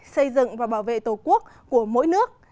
xây dựng và bảo vệ tổ quốc của mỗi nước